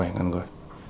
một mươi bảy ngàn người